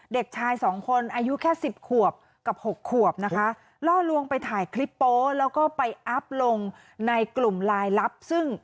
เด็กชายสองคนอายุแค่สิบขวบกับหกขวบนะคะล่อลวงไปถ่ายคลิปโป๊แล้วก็ไปอัพลงในกลุ่มลายลับซึ่ง